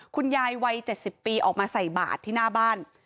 คุณยายวัย๗๐ปีออกมาใส่บาทที่หน้าบ้าน